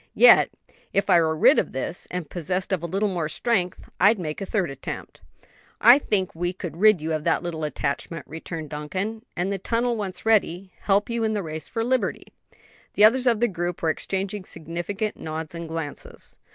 "Yet, if I were rid of this, and possessed of a little more strength, I'd make a third attempt." "I think I could rid you of that little attachment," returned Duncan; "and the tunnel once ready, help you in the race for liberty." The others of the group were exchanging significant nods and glances.